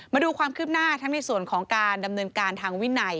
มาดูความคืบหน้าทั้งในส่วนของการดำเนินการทางวินัย